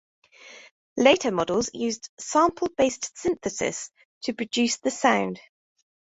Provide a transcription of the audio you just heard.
Later models use sample-based synthesis to produce the sound.